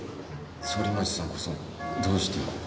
反町さんこそどうしてここに？